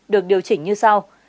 được điều chỉnh như sau